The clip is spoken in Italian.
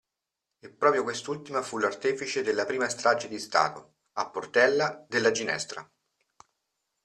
E proprio quest'ultima fu l'artefice della prima strage di Stato, a Portella della Ginestra.